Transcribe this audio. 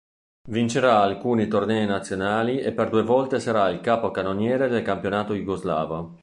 Vincerà alcuni tornei nazionali e per due volte sarà il capocannoniere del campionato jugoslavo.